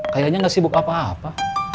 kayanya nggak sibuk apa apa